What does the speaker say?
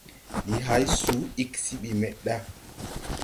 Ndi hay suu ig se ɓi meʼ ɗa.